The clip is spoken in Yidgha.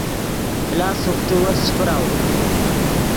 پلاس سوکتے وس چے پراؤو